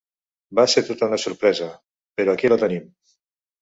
Va ser tota una sorpresa. Però aquí la tenim.